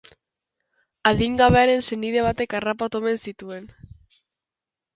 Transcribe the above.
Adingabearen senide batek harrapatu omen zituen.